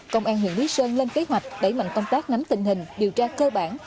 công an huyện lý sơn lên kế hoạch đẩy mạnh công tác nắm tình hình điều tra cơ bản